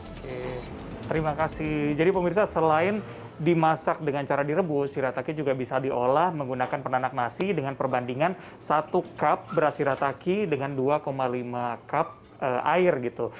oke terima kasih jadi pemirsa selain dimasak dengan cara direbus sirataki juga bisa diolah menggunakan penanak nasi dengan perbandingan satu cup beras shirataki dengan dua lima cup air gitu